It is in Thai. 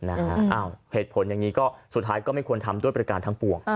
เหตุผลอย่างนี้ก็สุดท้ายก็ไม่ควรทำด้วยประการทั้งปวง